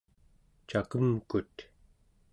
cakemkut